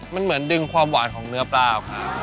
มันเหมือนดึงความหวานของเนื้อปลาออกมา